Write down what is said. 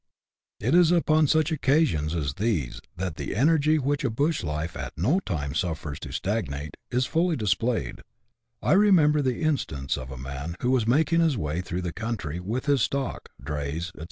It is upon such occasions as these that the energy which a bush life at no time suffers to stagnate is fully displayed : I remember the instance of a man who was making his way through the country with his stock, drays, &c.